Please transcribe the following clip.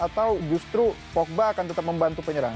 atau justru pogba akan tetap membantu penyerang